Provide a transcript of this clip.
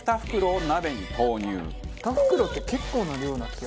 ２袋って結構な量な気が。